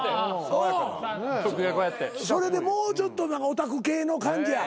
それでもうちょっとオタク系の感じや。